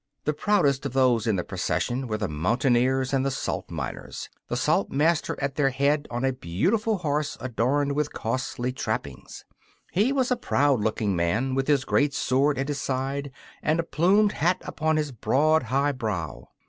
The proudest of those in the procession were the mountaineers and the salt miners, the Saltmaster at their head on a beautiful horse adorned with costly trappings. He was a proud looking man, with his great sword at his side and a plumed hat upon his broad, high brow.